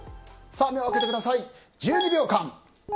目を開けてください、１２秒間。